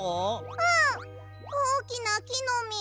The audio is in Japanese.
うんおおきなきのみ。